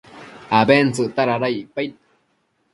abentsëcta dada icpaid